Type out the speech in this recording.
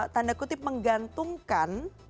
tanda kutip menggantungkan